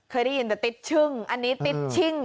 เคยได้ยินแต่ติ๊ดชึ่งอันนี้ติ๊ดชิ่ง